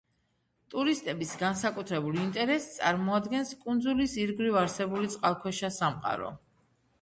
ტურისტების განსაკუთრებულ ინტერესს წარმოადგენს კუნძულის ირგვლივ არსებული წყალქვეშა სამყარო.